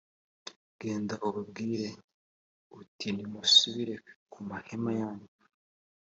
genda ubabwire uti ’nimusubire ku mahema yanyu!’